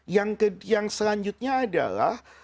yang selanjutnya adalah